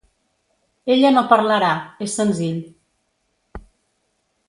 Ella no parlarà, és senzill.